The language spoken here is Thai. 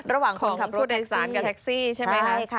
ระหว่างคนขับรถแท็กซี่ของผู้โดยสารกับแท็กซี่ใช่ไหมคะ